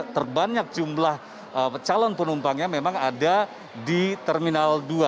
terbanyak jumlah calon penumpangnya memang ada di terminal dua